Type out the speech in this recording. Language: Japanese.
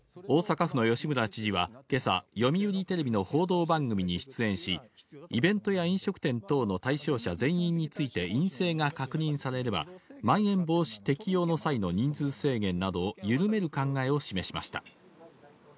大阪府の吉村知事は今朝、読売テレビの報道番組に出演し、イベントや飲食店等の対象者全員について、陰性が確認されれば、まん延防止適用の際の人数制限などを緩める考えを示しました。